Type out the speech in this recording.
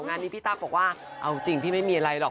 งานนี้พี่ตั๊กบอกว่าเอาจริงพี่ไม่มีอะไรหรอก